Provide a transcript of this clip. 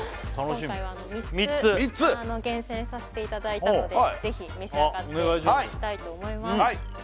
今回は３つ厳選させていただいたのでぜひ召し上がっていただきたいと思います